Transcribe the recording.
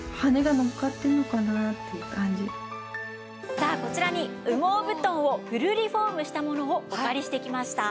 さあこちらに羽毛布団をフルリフォームしたものをお借りしてきました。